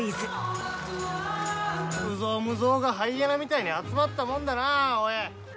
有象無象がハイエナみたいに集まったもんだなおい。